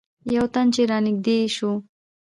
یو تن چې رانږدې شو.